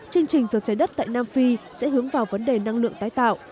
chương trình giờ trái đất tại nam phi sẽ hướng vào vấn đề năng lượng tái tạo